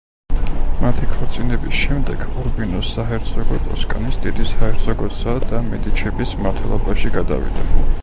მათი ქორწინების შემდეგ ურბინოს საჰერცოგო ტოსკანის დიდი საჰერცოგოსა და მედიჩების მმართველობაში გადავიდა.